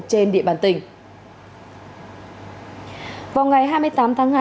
trên địa bàn thành phố hải dương